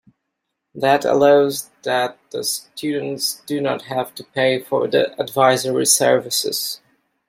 That allows that the students do not have to pay for the advisory services.